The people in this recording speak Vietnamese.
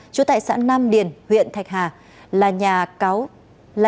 trú tại xã nam điền huyện thạch hà